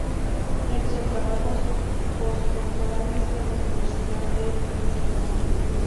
Realizó trabajos postdoctorales en la Universidad de Princeton.